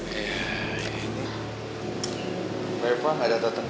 kenapa aja gimana sekarang